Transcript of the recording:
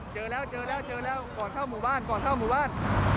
เจอแล้วเจอแล้วเจอแล้วก่อนเข้าหมู่บ้านก่อนเข้าหมู่บ้าน